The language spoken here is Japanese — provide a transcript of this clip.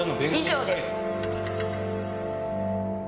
以上です。